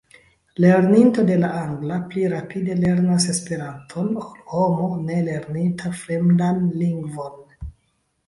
Lerninto de la angla pli rapide lernas Esperanton ol homo ne lerninta fremdan lingvon.